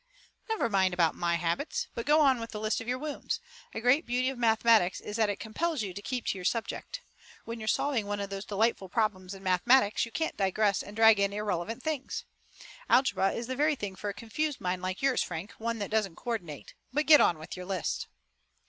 "Never mind about my habits, but go on with the list of your wounds. A great beauty of mathematics is that it compels you to keep to your subject. When you're solving one of those delightful problems in mathematics you can't digress and drag in irrelevant things. Algebra is the very thing for a confused mind like yours, Frank, one that doesn't coordinate. But get on with your list."